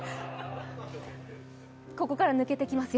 ここから抜けていきますよ。